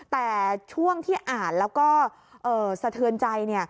แต่ช่วงที่อ่านแล้วก็สะเทือนใจ